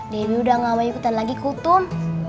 debbie udah gak mau ikutan lagi kutum